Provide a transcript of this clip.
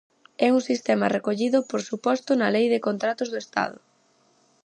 É un sistema recollido por suposto na Lei de contratos do Estado.